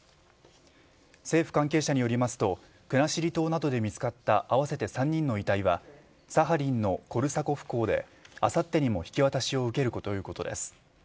政府関係者によりますと国後島などで見つかった合わせて３人の遺体はサハリンのコルサコフ港であさってにも引き渡しを受けるということです。